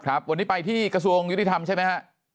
ครับวันนี้ไปที่กระทรวงยุติธรรมใช่ไหมฮะ